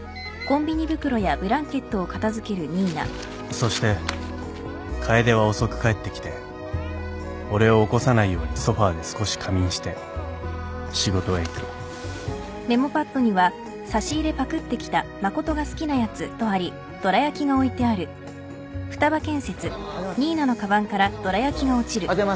そして楓は遅く帰ってきて俺を起こさないようにソファで少し仮眠して仕事へ行くおはようございます。